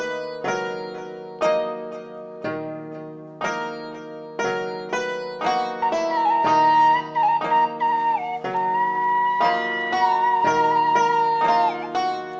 yang ini udah kecium